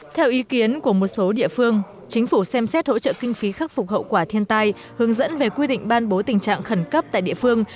theo ý kiến của một số địa phương chính phủ xem xét hỗ trợ kinh phí khắc phục hậu quả thiên tai hướng dẫn về quy định ban bố tình trạng khẩn cấp tại địa phương